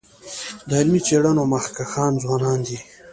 د علمي څيړنو مخکښان ځوانان دي.